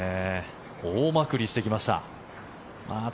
大まくりしてきました。